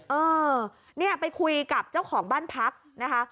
เออเนี่ยไปคุยกับเจ้าของบ้านพักนะคะ